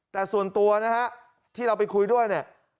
แต่ส่วนตัวนะฮะที่เราไปคุยด้วยเนี่ย